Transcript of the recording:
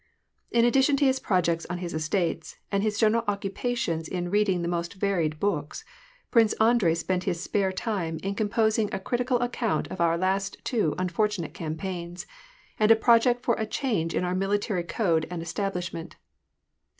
In addition to his projects on his estates, and his general occupations in reading the most varied books. Prince Andrei spent his spare time in compos ing a critical account of our last two unfortunate campaigns, and a project for a change in our military code and establish ment.